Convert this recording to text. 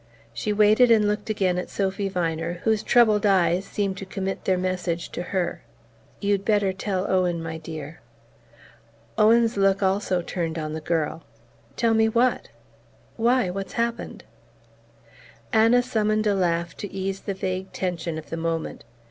She waited and looked again at Sophy Viner, whose troubled eyes seemed to commit their message to her. "You'd better tell Owen, my dear." Owen's look also turned on the girl. "Tell me what? Why, what's happened?" Anna summoned a laugh to ease the vague tension of the moment.